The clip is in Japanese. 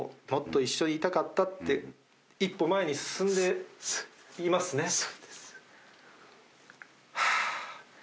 もっと一緒にいたかったって、一歩前に進んでいますね。